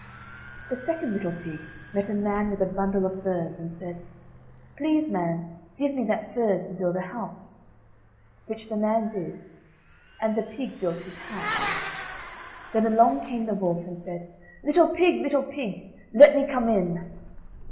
The second little pig met a man with a bundle of furze, and said: "Please, man, give me that furze to build a house." Which the man did, and the pig built his house. Then along came the wolf, and said: "Little pig, little pig, let me come in."